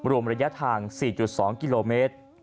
รวมระยะทาง๔๒กิโลเมตร